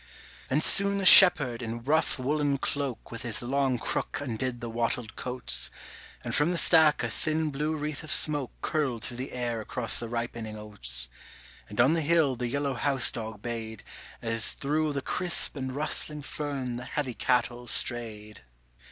And soon the shepherd in rough woollen cloak With his long crook undid the wattled cotes, And from the stack a thin blue wreath of smoke Curled through the air across the ripening oats, And on the hill the yellow house dog bayed As through the crisp and rustling fern the heavy cattle strayed.